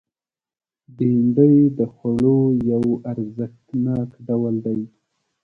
بېنډۍ د خوړو یو ارزښتناک ډول دی